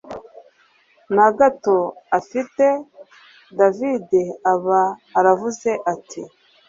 nagato afite david aba aravuze ati